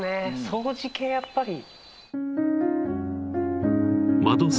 掃除系やっぱり。